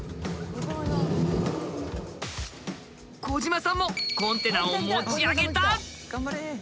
小島さんもコンテナを持ち上げた！